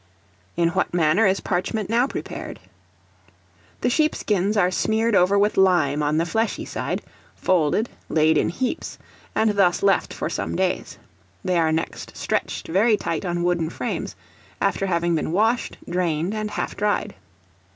In what manner is Parchment now prepared? The sheep skins are smeared over with lime on the fleshy side, folded, laid in heaps, and thus left for some days; they are next stretched very tight on wooden frames, after having been washed, drained, and half dried.